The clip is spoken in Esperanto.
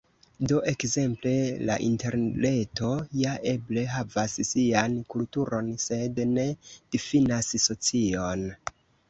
Do ekzemple la Interreto ja eble havas sian kulturon, sed ne difinas socion.